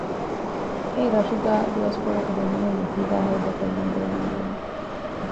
އެއީ ރަށުގައި ދުވަސްކޮޅަކު ދެމީހުން އެކީގައި ހޭދަކޮށްލަން ބޭނުންވީމަ